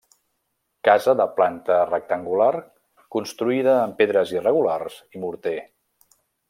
Casa de planta rectangular construïda amb pedres irregulars i morter.